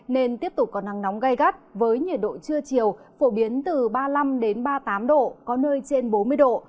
nên tiếp tục có nắng nóng gai gắt với nhiệt độ trưa chiều phổ biến từ ba mươi năm ba mươi tám độ có nơi trên bốn mươi độ